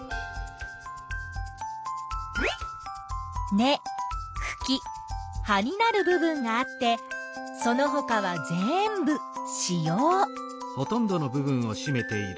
根・くき・葉になる部分があってそのほかは全部子葉。